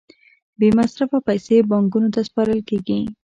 بې مصرفه پیسې بانکونو ته سپارل کېږي